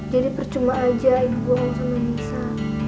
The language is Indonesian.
jadi percuma aja ibu bohong sama nisa